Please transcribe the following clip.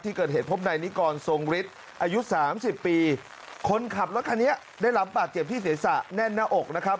ที่เกิดเหตุพบนายนิกรทรงฤทธิ์อายุสามสิบปีคนขับรถคันนี้ได้รับบาดเจ็บที่ศีรษะแน่นหน้าอกนะครับ